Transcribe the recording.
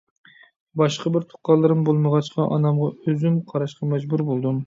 باشقا بىر تۇغقانلىرىم بولمىغاچقا، ئانامغا ئۆزۈم قاراشقا مەجبۇر بولدۇم.